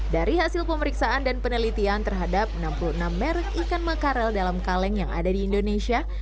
dari hasil pemeriksaan dan penelitian terhadap enam puluh enam merek ikan makarel dalam kaleng yang ada di indonesia